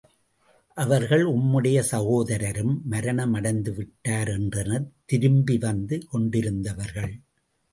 அவர்கள், உம்முடைய சகோதரரும் மரணம் அடைந்துவிட்டார்! என்றனர் திரும்பி வந்து கொண்டிருந்தவர்கள்.